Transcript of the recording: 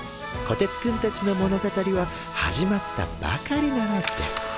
こてつくんたちの物語は始まったばかりなのです。